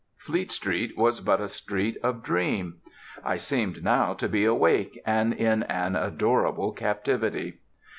Fleet Street was but a street of dream. I seemed now to be awake and in an adorable captivity.